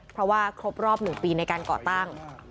เพราะว่าครบรอบ๑ปีในการก่อตั้ง